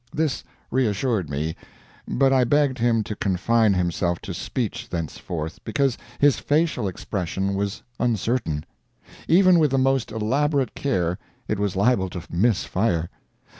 This reassured me, but I begged him to confine himself to speech thenceforth, because his facial expression was uncertain. Even with the most elaborate care it was liable to miss fire.